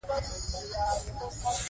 زه اوبه څښم